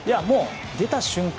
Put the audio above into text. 出た瞬間